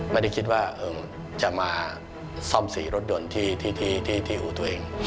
ไม่ได้คิดว่าจะมาซ่อมสีรถยนต์ที่อู่ตัวเอง